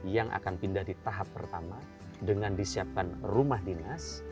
yang akan pindah di tahap pertama dengan disiapkan rumah dinas